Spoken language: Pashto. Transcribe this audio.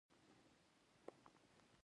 انسانان له یو بل سره په ژبه مفاهیم لېږدوي.